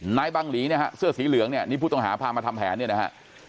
นายบังหลีเนี่ยฮะเสื้อสีเหลืองเนี่ยนี่ผู้ต้องหาพามาทำแผนเนี่ยนะฮะ